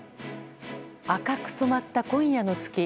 赤く染まった、今夜の月。